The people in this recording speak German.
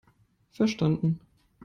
Verstanden!